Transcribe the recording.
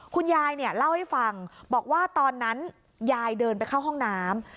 คุณยายเนี่ยเล่าให้ฟังบอกว่าตอนนั้นยายเดินไปเข้าห้องน้ำ